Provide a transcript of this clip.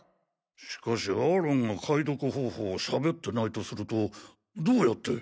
しかしアーロンが解読方法を喋ってないとするとどうやって？